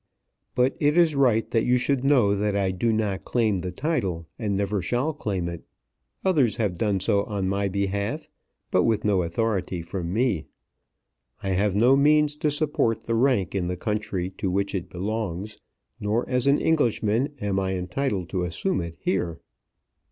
"But it is right that you should know that I do not claim the title, and never shall claim it. Others have done so on my behalf, but with no authority from me. I have no means to support the rank in the country to which it belongs; nor as an Englishman am I entitled to assume it here."